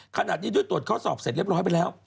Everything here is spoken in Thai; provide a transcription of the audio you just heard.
ขณะนี้ด้วยตรวจข้อสอบเสร็จเรียบร้อยไปแล้ว